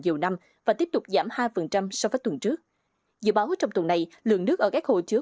nhiều năm và tiếp tục giảm hai so với tuần trước dự báo trong tuần này lượng nước ở các hồ chứa